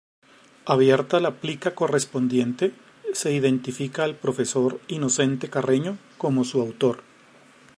Abierta la plica correspondiente, se identifica al profesor Inocente Carreño como su autor.